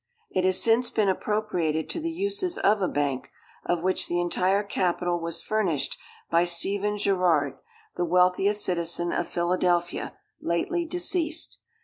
It has since been appropriated to the uses of a bank, of which the entire capital was furnished by Stephen Girard, the wealthiest citizen of Philadelphia, lately deceased.